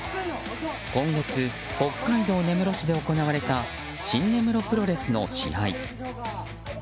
今月、北海道根室市で行われた新根室プロレスの試合。